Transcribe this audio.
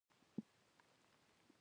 د ځنګل رڼا هم د دوی په زړونو کې ځلېده.